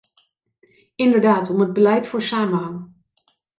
Inderdaad, om het beleid voor samenhang.